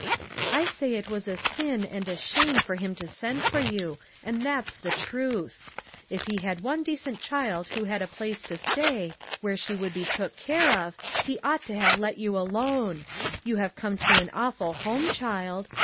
I say it was a sin and a shame for him to send for you, and that's the truth ! If he had one decent child who had a place to stay, where she would be took care of, he ought to have let you alone. You have come to an aw ful home, child.